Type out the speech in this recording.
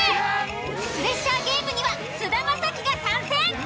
プレッシャーゲームには菅田将暉が参戦！